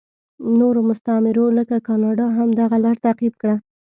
نورو مستعمرو لکه کاناډا هم دغه لار تعقیب کړه.